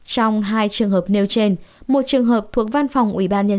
trong hai trường hợp nêu trên một trường hợp thuộc văn phòng ubnd tỉnh